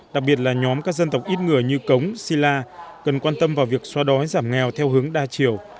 đặc biệt là nhóm các dân tộc ít người như cống si la cần quan tâm vào việc xoa đói giảm nghèo theo hướng đa chiều